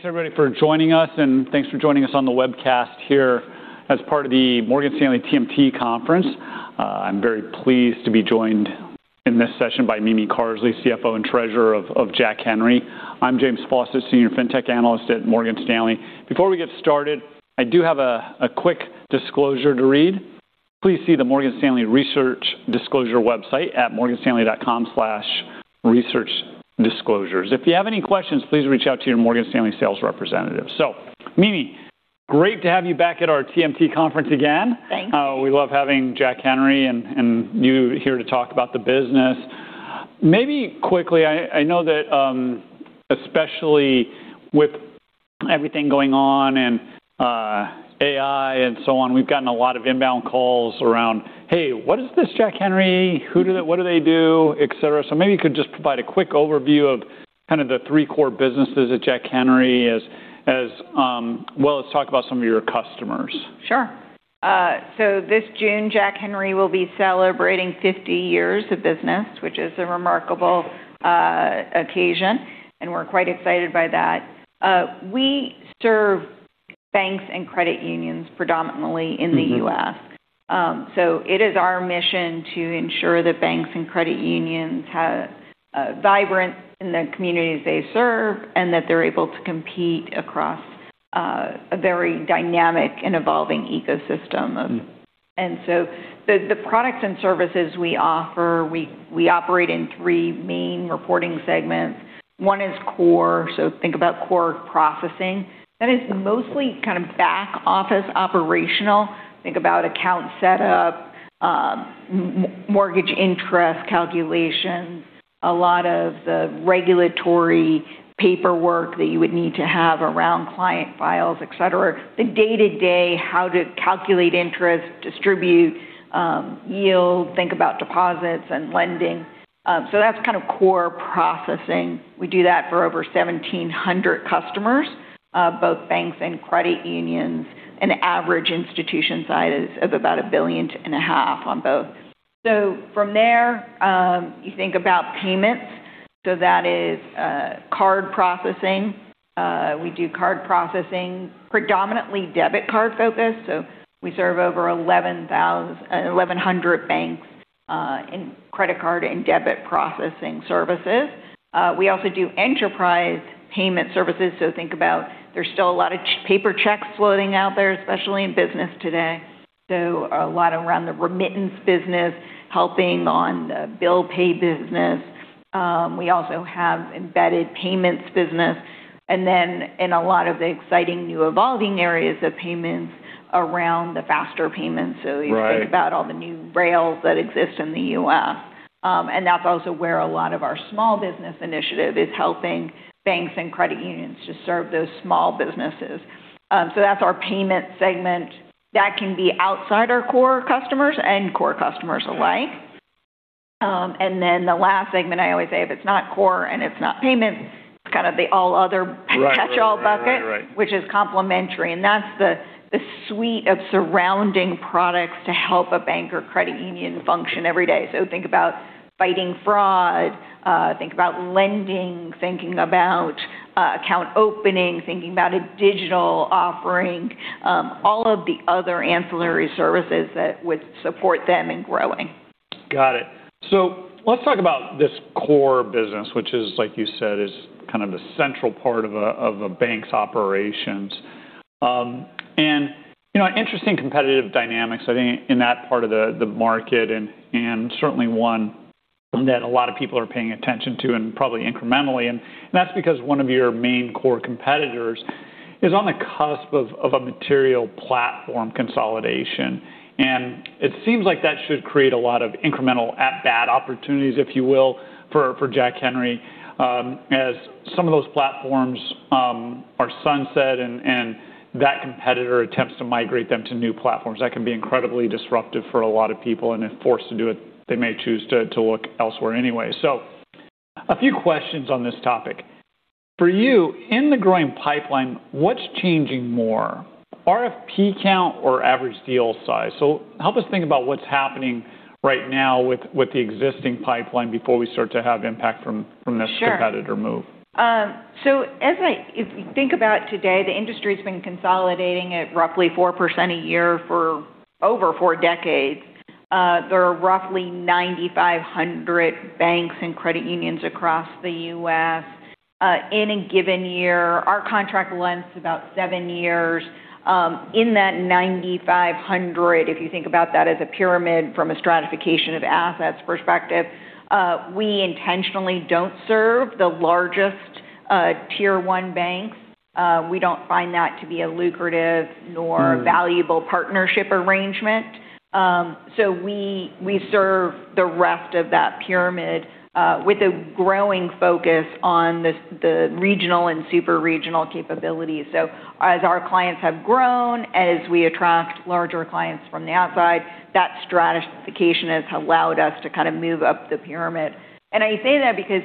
Thanks everybody for joining us, and thanks for joining us on the webcast here as part of the Morgan Stanley TMT conference. I'm very pleased to be joined in this session by Mimi Carsley, CFO and Treasurer of Jack Henry. I'm James Faucette, Senior Fintech Analyst at Morgan Stanley. Before we get started, I do have a quick disclosure to read. Please see the Morgan Stanley Research Disclosure website at morganstanley.com/researchdisclosures. If you have any questions, please reach out to your Morgan Stanley sales representative. Mimi, great to have you back at our TMT conference again. Thank you. We love having Jack Henry and you here to talk about the business. Maybe quickly, I know that, especially with everything going on and AI and so on, we've gotten a lot of inbound calls around, "Hey, what is this Jack Henry? What do they do?" et cetera. Maybe you could just provide a quick overview of kind of the three core businesses at Jack Henry. Well, let's talk about some of your customers. Sure. This June, Jack Henry will be celebrating 50 years of business, which is a remarkable occasion, and we're quite excited by that. We serve banks and credit unions predominantly. Mm-hmm The U.S. It is our mission to ensure that banks and credit unions have vibrant in the communities they serve and that they're able to compete across a very dynamic and evolving ecosystem. Mm. The products and services we offer, we operate in three main reporting segments. One is core. Think about core processing. That is mostly kind of back office operational. Think about account setup, mortgage interest calculations, a lot of the regulatory paperwork that you would need to have around client files, et cetera. The day-to-day, how to calculate interest, distribute, yield, think about deposits and lending. That's kind of core processing. We do that for over 1,700 customers, both banks and credit unions. An average institution side is of about a billion and a half on both. From there, you think about payments. That is card processing. We do card processing, predominantly debit card-focused. We serve over 1,100 banks in credit card and debit processing services. We also do enterprise payment services. Think about there's still a lot of paper checks floating out there, especially in business today. A lot around the remittance business, helping on the bill pay business. We also have embedded payments business. In a lot of the exciting new evolving areas of payments around the Faster Payments. Right. You think about all the new rails that exist in the U.S., and that's also where a lot of our small business initiative is helping banks and credit unions to serve those small businesses. That's our payment segment. That can be outside our core customers and core customers alike. The last segment I always say, if it's not core and it's not payment, it's kind of the all other. Right. Right. Right. Catch-all bucket, which is complementary, and that's the suite of surrounding products to help a bank or credit union function every day. Think about fighting fraud, think about lending, thinking about account opening, thinking about a digital offering, all of the other ancillary services that would support them in growing. Got it. Let's talk about this core business, which is, like you said, is kind of the central part of a, of a bank's operations. You know, interesting competitive dynamics, I think, in that part of the market and, certainly one that a lot of people are paying attention to and probably incrementally. That's because one of your main core competitors is on the cusp of a material platform consolidation. It seems like that should create a lot of incremental at bat opportunities, if you will, for Jack Henry, as some of those platforms are sunset and that competitor attempts to migrate them to new platforms. That can be incredibly disruptive for a lot of people, and if forced to do it, they may choose to look elsewhere anyway. A few questions on this topic. For you, in the growing pipeline, what's changing more? RFP count or average deal size? Help us think about what's happening right now with the existing pipeline before we start to have impact from. Sure Competitor move. If you think about today, the industry's been consolidating at roughly 4% a year for over four decades. There are roughly 9,500 banks and credit unions across the U.S. In a given year, our contract length's about seven years. In that 9,500, if you think about that as a pyramid from a stratification of assets perspective, we intentionally don't serve the largest, tier one banks. We don't find that to be a lucrative nor- Mm Valuable partnership arrangement. We serve the rest of that pyramid with a growing focus on the regional and super-regional capabilities. As our clients have grown, as we attract larger clients from the outside, that stratification has allowed us to kind of move up the pyramid. I say that because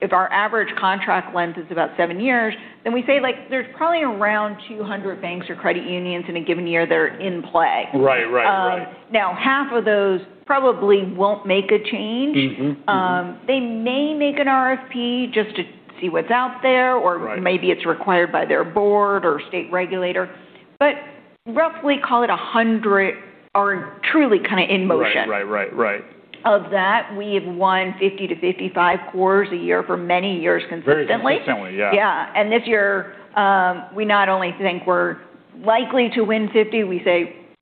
if our average contract length is about seven years, we say, like, there's probably around 200 banks or credit unions in a given year that are in play. Right. Right. Right. Now half of those probably won't make a change. Mm-hmm. Mm-hmm. They may make an RFP just to see what's out there. Right Or maybe it's required by their board or state regulator. Roughly call it 100 are truly kind of in motion. Right. Right. Right. Of that, we've won 50 to 55 cores a year for many years consistently. Very consistently, yeah. Yeah. This year, we not only think we're likely to win 50,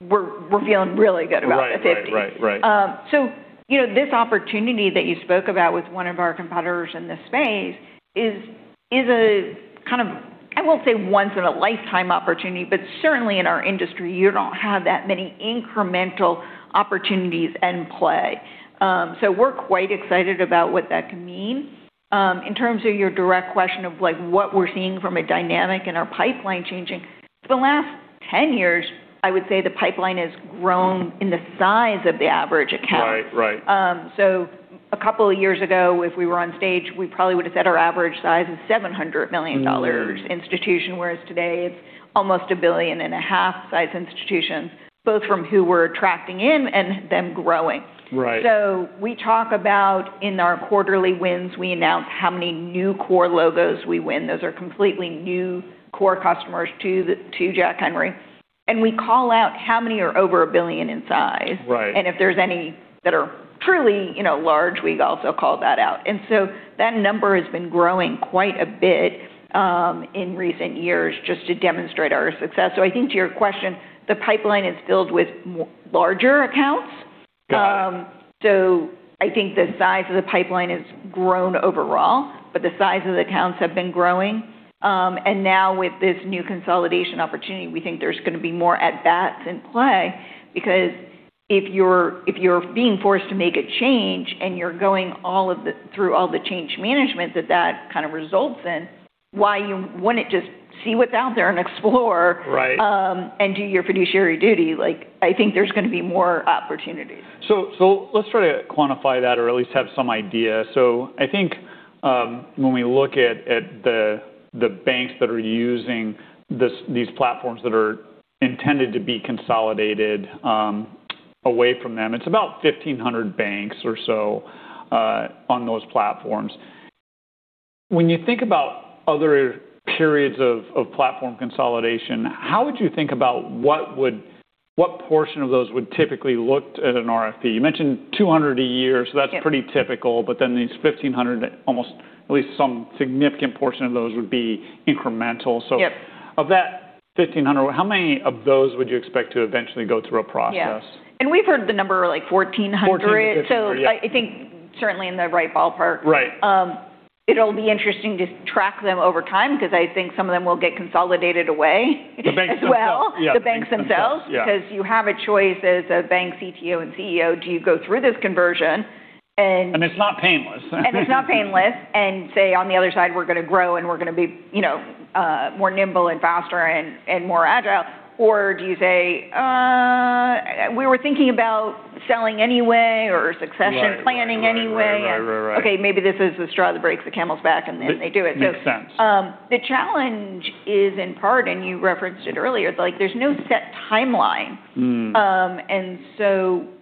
we're feeling really good about the 50. Right. Right. Right. You know, this opportunity that you spoke about with one of our competitors in this space is a kind of, I won't say once in a lifetime opportunity, but certainly in our industry you don't have that many incremental opportunities in play. We're quite excited about what that could mean. In terms of your direct question of like what we're seeing from a dynamic in our pipeline changing, for the last 10 years, I would say the pipeline has grown in the size of the average account. Right. Right. A couple of years ago, if we were on stage, we probably would have said our average size is $700 million institution, whereas today it's almost a $1.5 billion size institution, both from who we're attracting in and them growing. Right. We talk about in our quarterly wins, we announce how many new core logos we win. Those are completely new core customers to Jack Henry. We call out how many are over $1 billion in size. Right. If there's any that are truly, you know, large, we also call that out. That number has been growing quite a bit in recent years just to demonstrate our success. I think to your question, the pipeline is filled with larger accounts. Got it. I think the size of the pipeline has grown overall, but the size of the accounts have been growing. Now with this new consolidation opportunity, we think there's gonna be more at bats in play because if you're, if you're being forced to make a change and you're going through all the change management that that kind of results in, why you wouldn't just see what's out there and explore... Right Do your fiduciary duty. Like, I think there's gonna be more opportunities. Let's try to quantify that or at least have some idea. I think, when we look at the banks that are using these platforms that are intended to be consolidated away from them, it's about 1,500 banks or so on those platforms. When you think about other periods of platform consolidation, how would you think about what portion of those would typically look at an RFP? You mentioned 200 a year, that's- Yeah pretty typical. These 1,500, almost at least some significant portion of those would be incremental. Yep Of that 1,500, how many of those would you expect to eventually go through a process? Yeah. We've heard the number like 1,400. 1,400, yeah. I think certainly in the right ballpark. Right. It'll be interesting to track them over time because I think some of them will get consolidated away as well. The banks themselves. Yeah. The banks themselves. Yeah. You have a choice as a bank CTO and CEO, do you go through this conversion? It's not painless. It's not painless. Say on the other side, we're gonna grow and we're gonna be, you know, more nimble and faster and more agile. Do you say, "We were thinking about selling anyway or succession planning anyway. Right. Right. Right. Right. Okay, maybe this is the straw that breaks the camel's back, and then they do it. Makes sense. The challenge is in part, and you referenced it earlier, like there's no set timeline. Mm.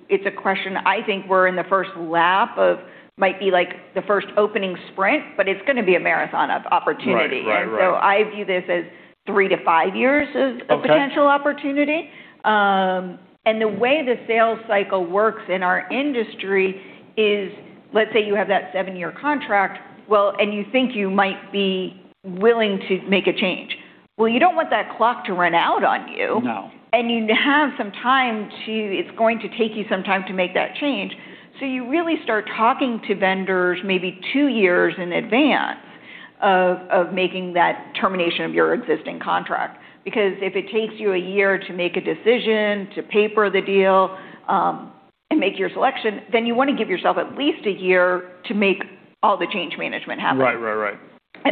It's a question I think we're in the first lap of might be like the first opening sprint, but it's gonna be a marathon of opportunity. Right. Right. Right. I view this as three to five years of-. Okay A potential opportunity. The way the sales cycle works in our industry is, let's say you have that 7-year contract, well, and you think you might be willing to make a change. You don't want that clock to run out on you. No. You have some time to. It's going to take you some time to make that change. You really start talking to vendors maybe two years in advance of making that termination of your existing contract. If it takes you a year to make a decision, to paper the deal, and make your selection, then you want to give yourself at least a year to make all the change management happen. Right. Right. Right.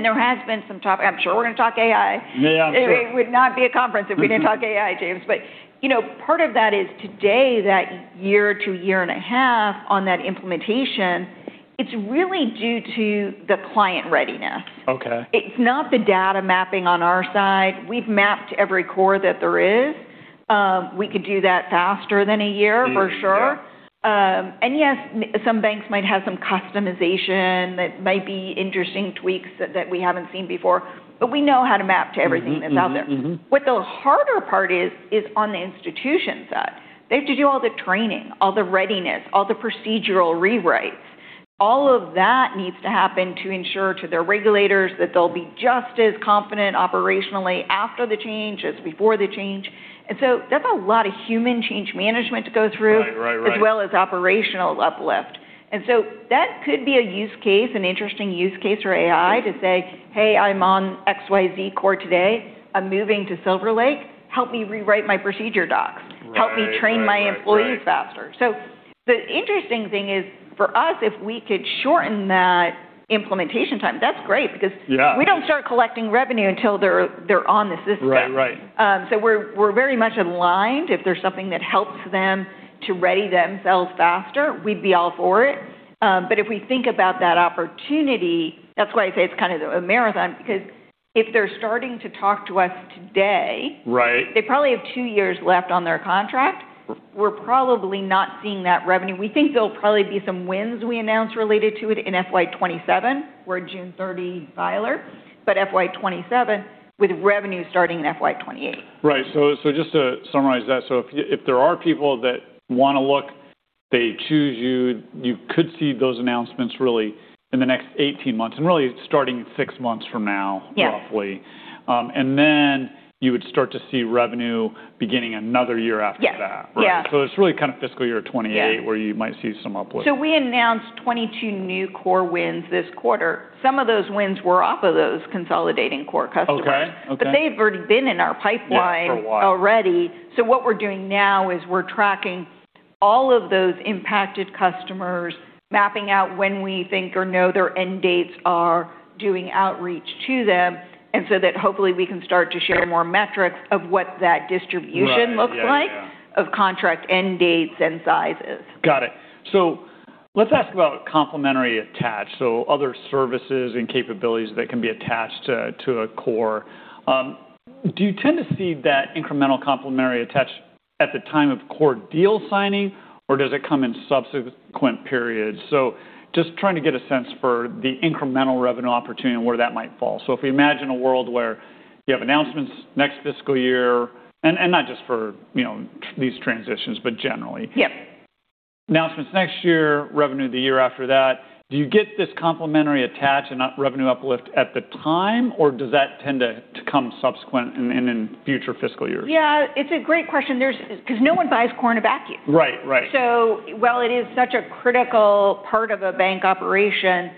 There has been some talk. I'm sure we're gonna talk AI. Yeah. It would not be a conference if we didn't talk AI, James. You know, part of that is today, that year to year and a half on that implementation, it's really due to the client readiness. Okay. It's not the data mapping on our side. We've mapped every core that there is. We could do that faster than a year for sure. Mm. Yeah. Yes, some banks might have some customization that might be interesting tweaks that we haven't seen before, but we know how to map to everything that's out there. Mm-hmm. Mm-hmm. What the harder part is on the institution side. They have to do all the training, all the readiness, all the procedural rewrites. All of that needs to happen to ensure to their regulators that they'll be just as confident operationally after the change as before the change. That's a lot of human change management to go through. Right. Right. Right. As well as operational uplift. That could be a use case, an interesting use case for AI to say, "Hey, I'm on XYZ core today. I'm moving to SilverLake. Help me rewrite my procedure docs. Right. Right. Right. Help me train my employees faster." The interesting thing is, for us, if we could shorten that implementation time, that's great because. Yeah We don't start collecting revenue until they're on the system. Right. Right. We're very much aligned. If there's something that helps them to ready themselves faster, we'd be all for it. If we think about that opportunity, that's why I say it's kind of a marathon because if they're starting to talk to us today. Right They probably have two years left on their contract. We're probably not seeing that revenue. We think there'll probably be some wins we announce related to it in FY 2027. We're a June 30 filer, but FY 2027 with revenue starting in FY 2028. Right. Just to summarize that, so if there are people that wanna look. They choose you. You could see those announcements really in the next 18 months, and really starting 6 months from now. Yeah Roughly. You would start to see revenue beginning another year after that. Yes. Yeah. Right. it's really kind of fiscal year 2028. Yeah Where you might see some upwards. We announced 22 new core wins this quarter. Some of those wins were off of those consolidating core customers. Okay. Okay. They've already been in our pipeline Yeah, for a while. Already. What we're doing now is we're tracking all of those impacted customers, mapping out when we think or know their end dates are, doing outreach to them, and so that hopefully we can start to share more metrics of what that distribution looks like. Right. Yeah. Yeah, yeah Of contract end dates and sizes. Got it. Let's ask about complementary attach, so other services and capabilities that can be attached to a core. Do you tend to see that incremental complementary attach at the time of core deal signing, or does it come in subsequent periods? Just trying to get a sense for the incremental revenue opportunity and where that might fall. If we imagine a world where you have announcements next fiscal year, and not just for, you know, these transitions, but generally. Yeah. Announcements next year, revenue the year after that, do you get this complementary attach and not revenue uplift at the time, or does that tend to come subsequent and in future fiscal years? Yeah. It's a great question. No one buys core in a vacuum. Right. Right. While it is such a critical part of a bank operation,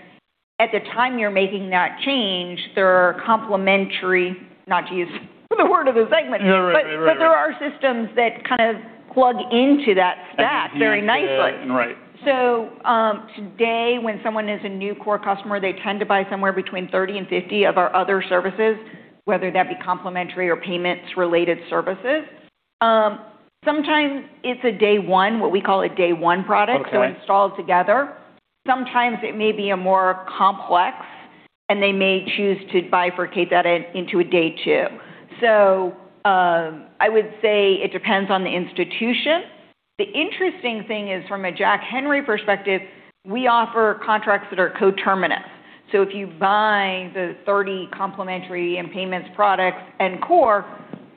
at the time you're making that change, there are complementary, not to use the word of the segment. Yeah. Right. Right. Right. There are systems that kind of plug into that stack very nicely. I can see it. Yeah. Right. Today, when someone is a new core customer, they tend to buy somewhere between 30 and 50 of our other services, whether that be complementary or payments-related services. Sometimes it's a day one, what we call a day one product. Okay Installed together. Sometimes it may be a more complex, and they may choose to bifurcate that in, into a day two. I would say it depends on the institution. The interesting thing is from a Jack Henry perspective, we offer contracts that are coterminous. If you buy the 30 complementary and payments products and core,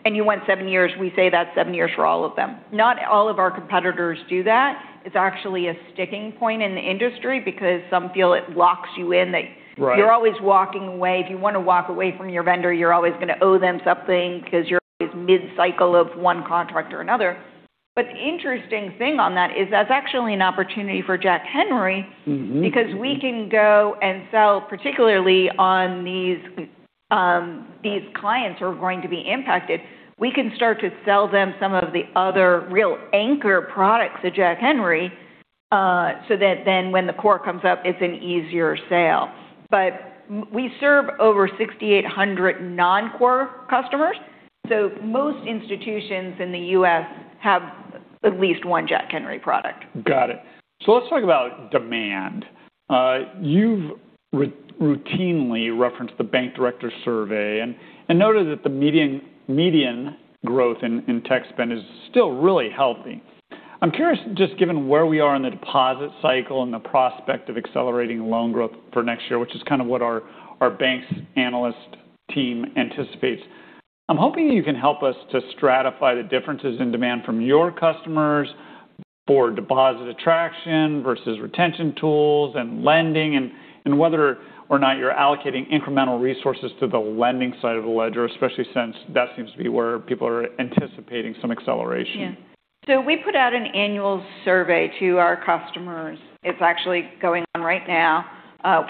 and you went seven years, we say that's seven years for all of them. Not all of our competitors do that. It's actually a sticking point in the industry because some feel it locks you in. Right You're always walking away. If you wanna walk away from your vendor, you're always gonna owe them something because you're always mid-cycle of one contract or another. The interesting thing on that is that's actually an opportunity for Jack Henry. Mm-hmm Because we can go and sell, particularly on these clients who are going to be impacted, we can start to sell them some of the other real anchor products to Jack Henry, so that then when the core comes up, it's an easier sale. We serve over 6,800 non-core customers, so most institutions in the U.S. have at least one Jack Henry product. Got it. Let's talk about demand. You've routinely referenced the Bank Director Survey and noted that the median growth in tech spend is still really healthy. I'm curious, just given where we are in the deposit cycle and the prospect of accelerating loan growth for next year, which is kind of what our banks analyst team anticipates, I'm hoping you can help us to stratify the differences in demand from your customers for deposit attraction versus retention tools and lending and whether or not you're allocating incremental resources to the lending side of the ledger, especially since that seems to be where people are anticipating some acceleration. Yeah, we put out an annual survey to our customers, it's actually going on right now,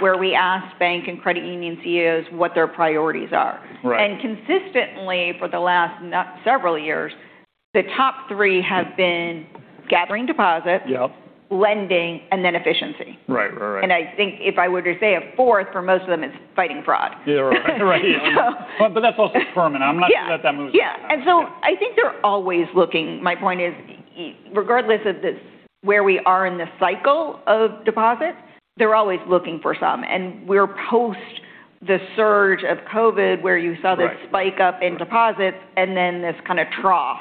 where we ask bank and credit union CEOs what their priorities are. Right. consistently for the last several years, the top three have been gathering deposits- Yep Lending, and then efficiency. Right. Right. Right. I think if I were to say a fourth, for most of them it's fighting fraud. Yeah. Right. Right. So That's also permanent. Yeah. I'm not sure that moves. Yeah. I think they're always looking. My point is, regardless of this, where we are in the cycle of deposits, they're always looking for some, and we're post the surge of COVID, where you saw... Right This spike up in deposits and then this kind of trough.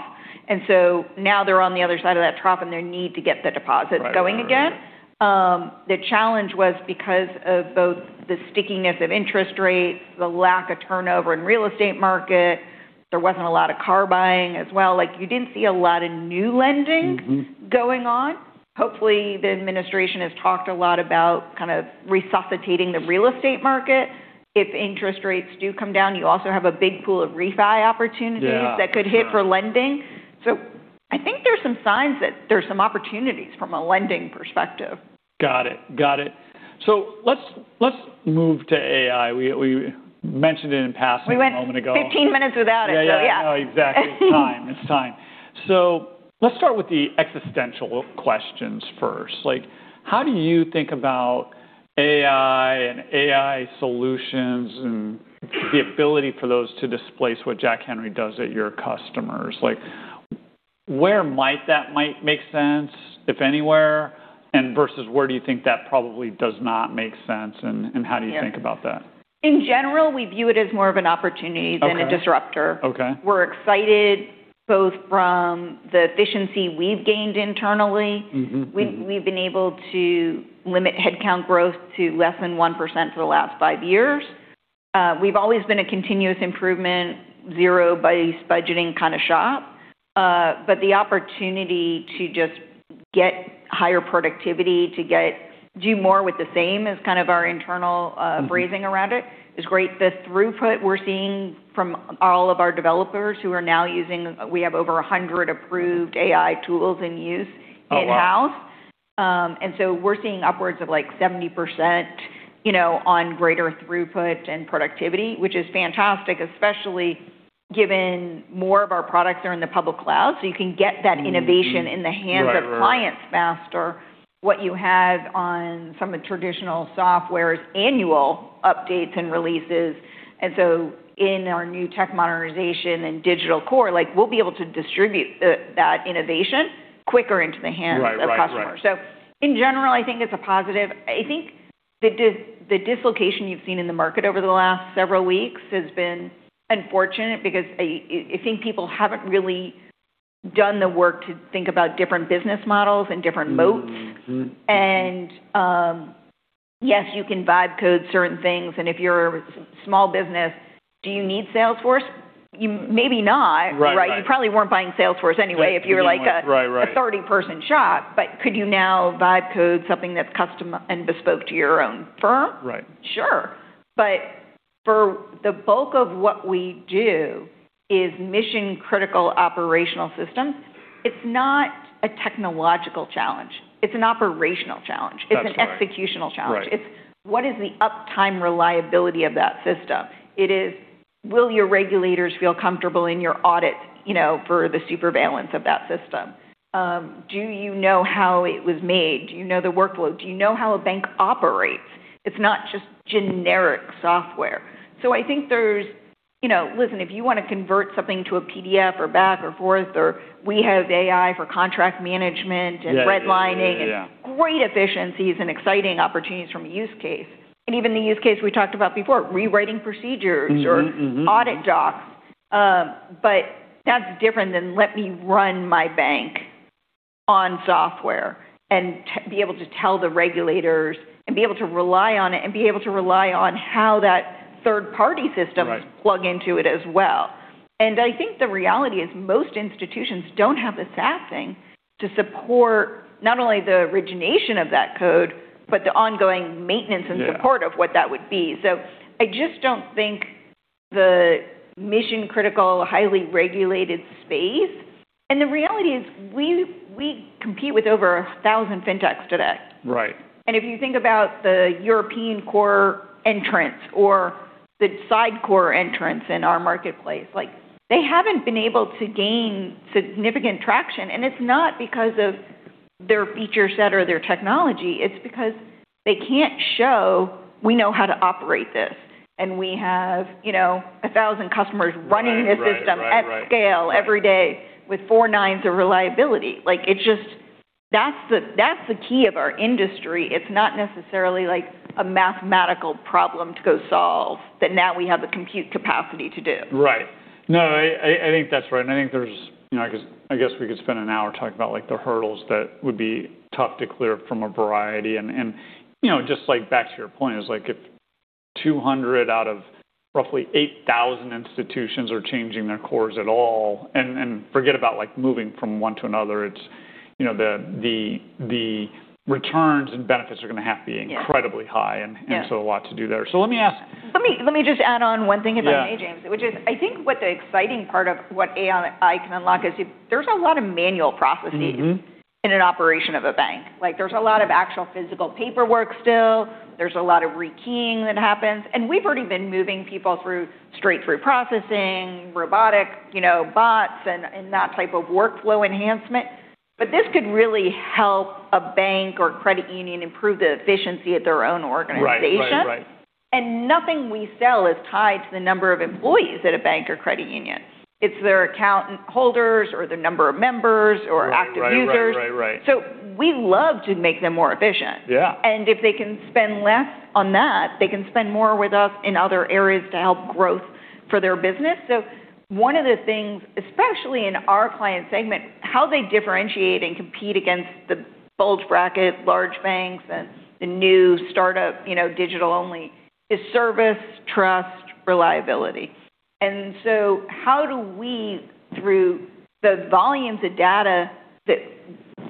Now they're on the other side of that trough, and they need to get the deposits going again. Right. Right. Right. The challenge was because of both the stickiness of interest rates, the lack of turnover in real estate market, there wasn't a lot of car buying as well, like you didn't see a lot of new lending. Mm-hmm Going on. Hopefully, the administration has talked a lot about kind of resuscitating the real estate market. If interest rates do come down, you also have a big pool of refi opportunities. Yeah. Yeah. That could hit for lending. I think there's some signs that there's some opportunities from a lending perspective. Got it. Let's move to AI. We mentioned it in passing a moment ago. We went 15 minutes without it, so yeah. Yeah, yeah. No, exactly. It's time. It's time. Let's start with the existential questions first. Like, how do you think about AI and AI solutions and the ability for those to displace what Jack Henry does at your customers? Like, where might that make sense, if anywhere, and versus where do you think that probably does not make sense, and how do you think about that? In general, we view it as more of an opportunity. Okay than a disruptor. Okay. We're excited both from the efficiency we've gained internally. Mm-hmm. Mm-hmm. We've been able to limit headcount growth to less than 1% for the last five years. We've always been a continuous improvement, zero-based budgeting kind of shop. The opportunity to just get higher productivity, Do more with the same as kind of our internal. Mm-hmm Phrasing around it is great. The throughput we're seeing from all of our developers who are now using... We have over 100 approved AI tools in use- Oh, wow. -in-house. We're seeing upwards of like 70%, you know, on greater throughput and productivity, which is fantastic, especially given more of our products are in the public cloud. You can get that innovation. Mm-hmm. in the hands Right. Of clients faster, what you have on some of the traditional software's annual updates and releases. In our new tech modernization and digital core, like, we'll be able to distribute that innovation quicker into the hands- Right. Right. Right. Of customers. In general, I think it's a positive. I think the dislocation you've seen in the market over the last several weeks has been unfortunate because I think people haven't really done the work to think about different business models and different moats. Mm-hmm. Mm-hmm. Yes, you can vibe coding certain things, and if you're small business, do you need Salesforce? You. Maybe not. Right. Right. Right? You probably weren't buying Salesforce anyway- Yeah. What do you mean like- if you're like Right. A 30-person shop. Could you now vibe coding something that's custom and bespoke to your own firm? Right. Sure. For the bulk of what we do is mission-critical operational systems. It's not a technological challenge. It's an operational challenge. That's right. It's an executional challenge. Right. It's what is the uptime reliability of that system? It is will your regulators feel comfortable in your audit, you know, for the super valence of that system? Do you know how it was made? Do you know the workload? Do you know how a bank operates? It's not just generic software. I think there's. You know, listen, if you wanna convert something to a PDF or back or forth or we have AI for contract management. Yeah, yeah. Redlining. Yeah. Great efficiencies and exciting opportunities from a use case. Even the use case we talked about before, rewriting procedures- Mm-hmm. Mm-hmm. Mm-hmm. Or audit docs. That's different than let me run my bank on software and be able to tell the regulators and be able to rely on it, and be able to rely on how that third-party systems. Right Plug into it as well. I think the reality is most institutions don't have the staffing to support not only the origination of that code, but the ongoing maintenance and support. Yeah of what that would be. I just don't think the mission-critical, highly regulated space. The reality is we compete with over 1,000 Fintechs today. Right. If you think about the European core entrants or the side core entrants in our marketplace, like, they haven't been able to gain significant traction, and it's not because of their feature set or their technology, it's because they can't show we know how to operate this, and we have, you know, 1,000 customers running-. Right. the system at scale every day with four nines of reliability. Like, That's the key of our industry. It's not necessarily like a mathematical problem to go solve that now we have the compute capacity to do. Right. No, I think that's right, and I think there's, you know, I guess, I guess we could spend an hour talking about, like, the hurdles that would be tough to clear from a variety. You know, just like back to your point, it's like if 200 out of roughly 8,000 institutions are changing their cores at all, and forget about, like, moving from one to another, it's, you know, the returns and benefits are gonna have to be- Yeah Incredibly high. Yeah A lot to do there. Let me ask- Let me just add on one thing, if I may, James. Yeah. Which is, I think what the exciting part of what AI can unlock is if there's a lot of manual processes. Mm-hmm In an operation of a bank. Like, there's a lot of actual physical paperwork still. There's a lot of rekeying that happens. We've already been moving people through straight-through processing, robotic, you know, bots and that type of workflow enhancement. This could really help a bank or credit union improve the efficiency of their own organization. Right. Right. Right. Nothing we sell is tied to the number of employees at a bank or credit union. It's their account holders or the number of members or active users. Right. Right. Right. Right. We love to make them more efficient. Yeah. If they can spend less on that, they can spend more with us in other areas to help growth for their business. One of the things, especially in our client segment, how they differentiate and compete against the bulge bracket, large banks and the new startup, you know, digital only, is service, trust, reliability. How do we, through the volumes of data that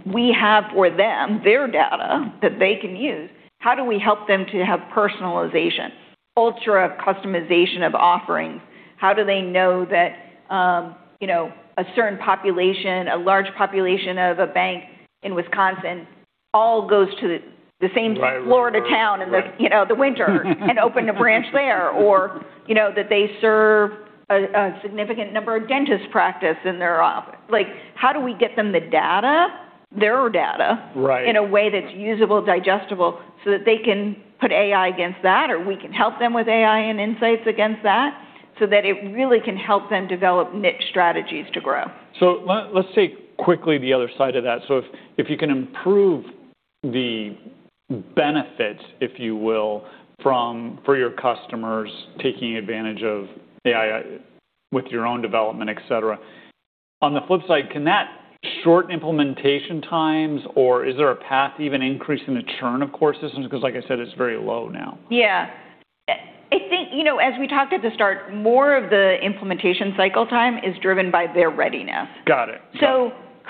we have for them, their data that they can use, how do we help them to have personalization, ultra customization of offerings? How do they know that, you know, a certain population, a large population of a bank in Wisconsin all goes to the same- Right. Florida town in. Right You know, the winter and open a branch there? You know, that they serve a significant number of dentist practice. Like, how do we get them the data, their data? Right In a way that's usable, digestible, so that they can put AI against that, or we can help them with AI and insights against that, so that it really can help them develop niche strategies to grow. Let's take quickly the other side of that. If you can improve the benefits, if you will, from for your customers taking advantage of AI with your own development, et cetera. On the flip side, can that shorten implementation times, or is there a path to even increasing the churn of core systems? Because like I said, it's very low now. Yeah. I think, you know, as we talked at the start, more of the implementation cycle time is driven by their readiness. Got it.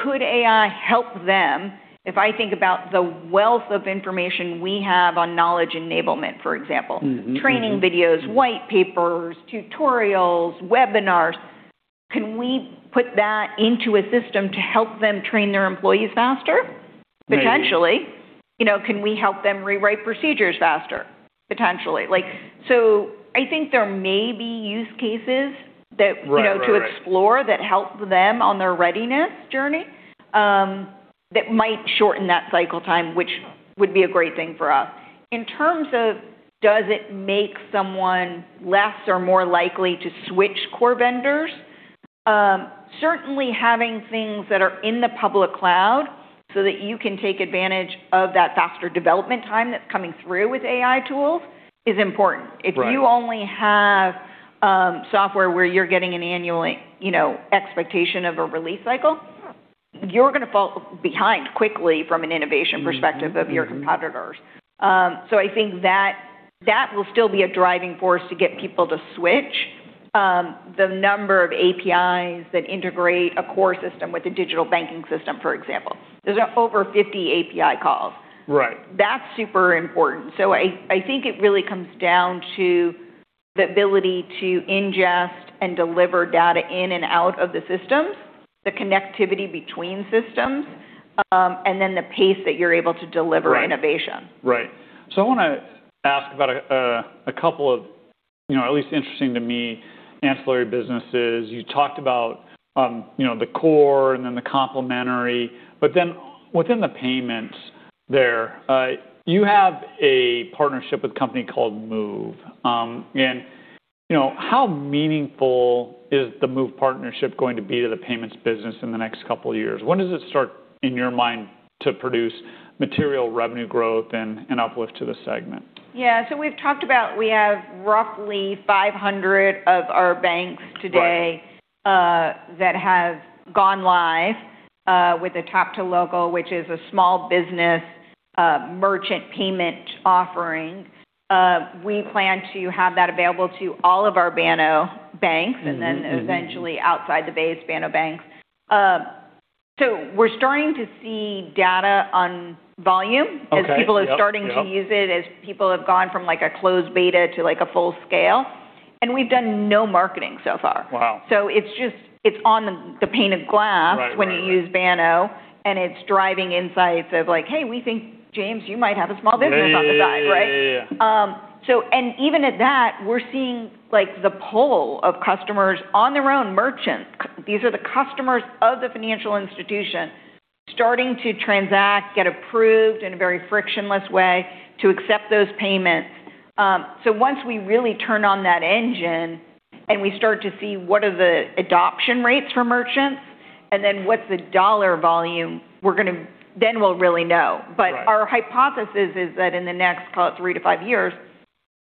Could AI help them? If I think about the wealth of information we have on knowledge enablement, for example. Mm-hmm. Mm-hmm. Training videos, white papers, tutorials, webinars, can we put that into a system to help them train their employees faster? Maybe. Potentially. You know, can we help them rewrite procedures faster? Potentially. Like, I think there may be use cases that... Right. Right. Right. You know, to explore that help them on their readiness journey, that might shorten that cycle time, which would be a great thing for us. In terms of does it make someone less or more likely to switch core vendors, certainly having things that are in the public cloud so that you can take advantage of that faster development time that's coming through with AI tools is important. Right. If you only have software where you're getting an annual, you know, expectation of a release cycle, you're gonna fall behind quickly from an innovation perspective. Mm-hmm. Mm-hmm. Of your competitors. I think that will still be a driving force to get people to switch. The number of APIs that integrate a core system with a digital banking system, for example. There's over 50 API calls. Right. That's super important. I think it really comes down to the ability to ingest and deliver data in and out of the systems, the connectivity between systems, and then the pace that you're able to deliver innovation. Right. Right. I wanna ask about a couple of, you know, at least interesting to me, ancillary businesses. You talked about, you know, the core and then the complementary. Within the payments there, you have a partnership with a company called Moov. You know, how meaningful is the Moov partnership going to be to the payments business in the next couple of years? When does it start, in your mind, to produce material revenue growth and uplift to the segment? Yeah. We've talked about we have roughly 500 of our banks today. Right That have gone live with a top two logo, which is a small business merchant payment offering. We plan to have that available to all of our Banno banks. Mm-hmm. Mm-hmm. Eventually outside the base Banno banks. We're starting to see data on volume- Okay. Yep. Yep As people are starting to use it, as people have gone from like a closed beta to like a full scale. We've done no marketing so far. Wow. it's on the pane of glass. Right. When you use Banno, and it's driving insights of like, "Hey, we think, James, you might have a small business on the side. Yeah. Yeah. Yeah. Yeah. Right? And even at that, we're seeing like the pull of customers on their own merchants. These are the customers of the financial institution starting to transact, get approved in a very frictionless way to accept those payments. Once we really turn on that engine and we start to see what are the adoption rates for merchants and then what's the dollar volume then we'll really know. Right. Our hypothesis is that in the next, call it three to five years,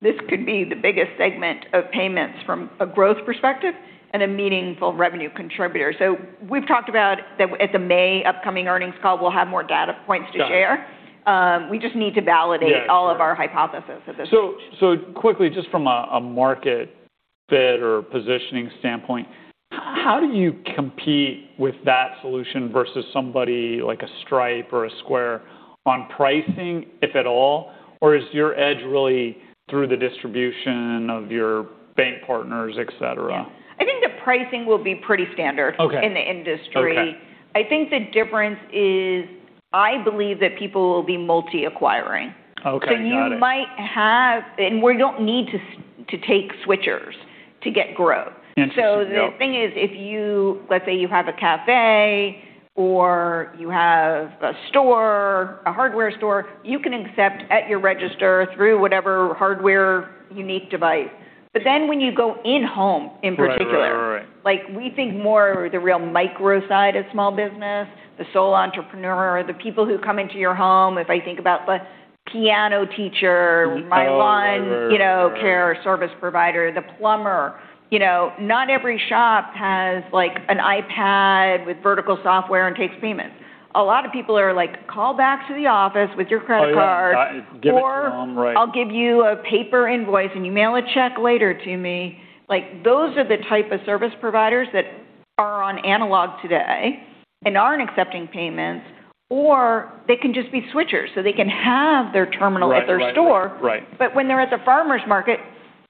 this could be the biggest segment of payments from a growth perspective and a meaningful revenue contributor. We've talked about that at the May upcoming earnings call, we'll have more data points to share. Got it. We just need to validate. Yeah. Sure. All of our hypothesis at this stage. So quickly, just from a market fit or positioning standpoint, how do you compete with that solution versus somebody like a Stripe or a Square on pricing, if at all? Or is your edge really through the distribution of your bank partners, et cetera? Yeah. I think the pricing will be pretty standard. Okay In the industry. Okay. I think the difference is I believe that people will be multi-acquiring. Okay. Got it. We don't need to take switchers to get growth. Interesting. Yep. The thing is, if you, let's say, you have a cafe or you have a store, a hardware store, you can accept at your register through whatever hardware unique device. When you go in home in particular... Right. Right. Right. Right. Like we think more the real micro side of small business, the sole entrepreneur, the people who come into your home. If I think about the piano teacher. The lawn mower. My lawn, you know, care service provider, the plumber. You know, not every shop has like an iPad with vertical software and takes payments. A lot of people are like, "Call back to the office with your credit card. Oh, yeah. Give it to them. Right. I'll give you a paper invoice and you mail a check later to me." Like, those are the type of service providers that are on analog today and aren't accepting payments, or they can just be switchers, so they can have their terminal at their. Right. Right. Right. When they're at the farmers market,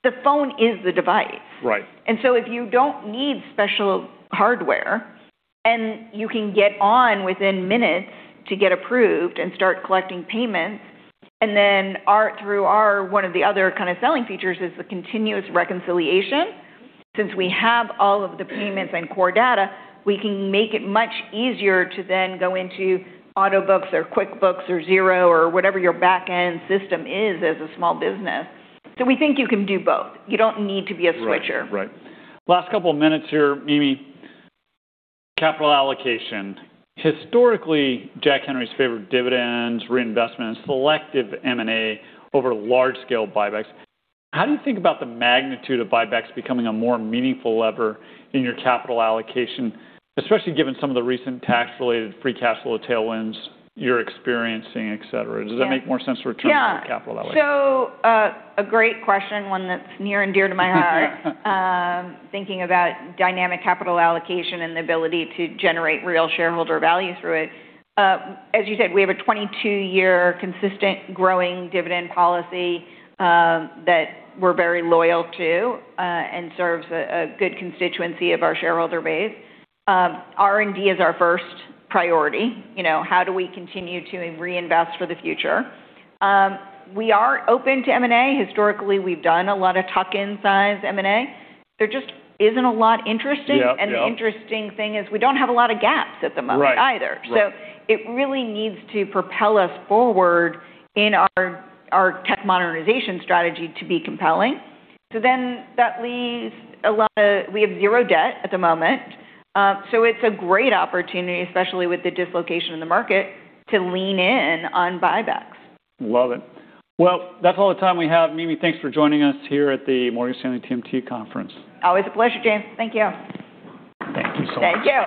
the phone is the device. Right. If you don't need special hardware, and you can get on within minutes to get approved and start collecting payments, through our, one of the other kind of selling features is the continuous reconciliation. Since we have all of the payments and core data, we can make it much easier to then go into Autobooks or QuickBooks or Xero or whatever your back-end system is as a small business. We think you can do both. You don't need to be a switcher. Right. Right. Last couple of minutes here, Mimi. Capital allocation. Historically, Jack Henry's favored dividends, reinvestment, selective M&A over large-scale buybacks. How do you think about the magnitude of buybacks becoming a more meaningful lever in your capital allocation, especially given some of the recent tax-related free cash flow tailwinds you're experiencing, et cetera? Yeah. Does that make more sense to return to capital that way? Yeah. A great question, one that's near and dear to my heart. Thinking about dynamic capital allocation and the ability to generate real shareholder value through it. As you said, we have a 22-year consistent growing dividend policy that we're very loyal to and serves a good constituency of our shareholder base. R&D is our first priority. You know, how do we continue to reinvest for the future? We are open to M&A. Historically, we've done a lot of tuck-in size M&A. There just isn't a lot interesting. Yeah. Yeah. The interesting thing is we don't have a lot of gaps at the moment either. Right. Right. It really needs to propel us forward in our tech modernization strategy to be compelling. We have zero debt at the moment, so it's a great opportunity, especially with the dislocation in the market, to lean in on buybacks. Love it. Well, that's all the time we have. Mimi, thanks for joining us here at the Morgan Stanley TMT conference. Always a pleasure, James. Thank you. Thank you so much. Thank you.